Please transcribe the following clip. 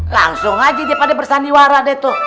langsung aja dia pada bersandiwara deh tuh